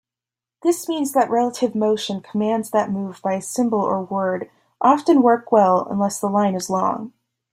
This means that relative motion commands that move by a symbol or word often work well unless the line is long.